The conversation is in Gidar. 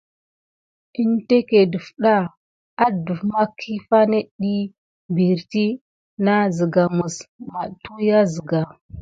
Əŋɗeke defà aɗef mà kifà net ɗik piriti nà sika mis namtua siga.